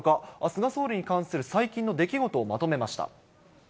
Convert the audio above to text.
菅総理に関する最近の出来事をまとめました。